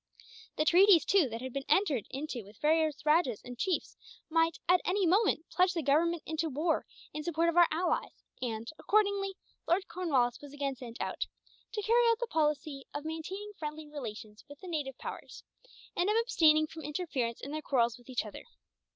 The treaties, too, that had been entered into with various rajahs and chiefs might, at any moment, plunge the Government into war in support of our allies and, accordingly, Lord Cornwallis was again sent out, to carry out the policy of maintaining friendly relations with the native powers, and of abstaining from interference in their quarrels with each other.